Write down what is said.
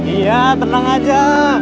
iya tenang aja